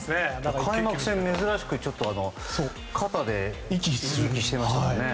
開幕戦、珍しく肩で息をしてましたもんね。